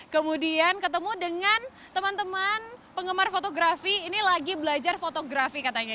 kemudian ketemu dengan teman teman penggemar fotografi ini lagi belajar fotografi katanya